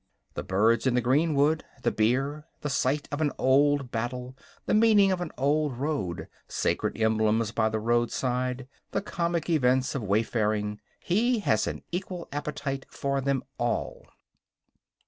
The birds in the greenwood, the beer, the site of an old battle, the meaning of an old road, sacred emblems by the roadside, the comic events of way faring he has an equal appetite for them all.